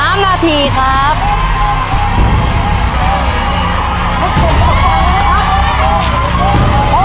นำอาหารมาเสียบไม้ให้ในเกมต่อชีวิตสักครู่เดียวครับ